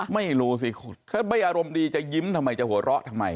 ไม่รู้สิถ้าไม่อารมณ์ดีจะยิ้มทำไมจะหัวเราะทำไม